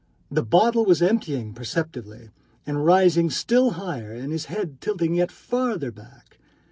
The bottle was emptying perceptibly and rising still higher and his head tilting yet further back.